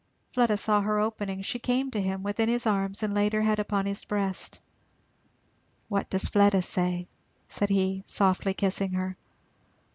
Fleda saw her opening; she came to him, within his arms, and laid her head upon his breast. "What does Fleda say?" said he, softly kissing her.